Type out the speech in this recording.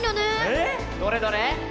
ええ⁉どれどれ。